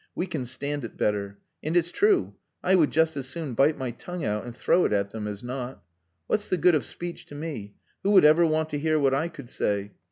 We can stand it better. And it's true; I would just as soon bite my tongue out and throw it at them as not. What's the good of speech to me? Who would ever want to hear what I could say?